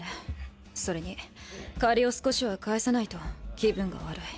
それに借りを少しは返さないと気分が悪い。